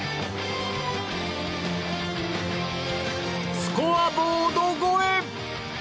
スコアボード越え！